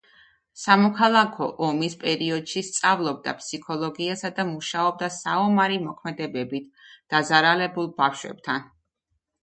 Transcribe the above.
სამოქალაქო ომის პერიოდში სწავლობდა ფსიქოლოგიასა და მუშაობდა საომარი მოქმედებებით დაზარალებულ ბავშვებთან.